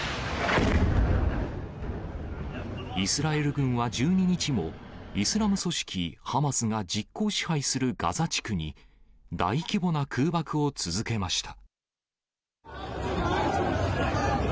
イスラエル軍は１２日も、イスラム組織ハマスが実効支配するガザ地区に、大規模な空爆を続けました。